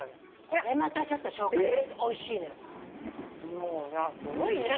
もうさすごいね。